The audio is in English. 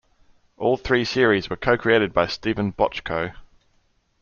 All three series were co-created by Steven Bochco.